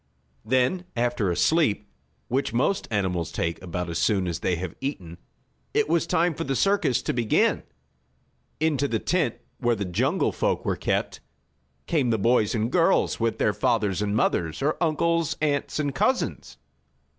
Then after a sleep, which most animals take about as soon as they have eaten, it was time for the circus to begin. Into the tent where the jungle folk were kept, came the boys and girls, with their fathers and mothers, or uncles, aunts and cousins.